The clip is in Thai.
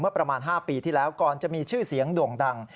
ประมาณ๕ปีที่แล้วก่อนจะมีชื่อเสียงโด่งดัง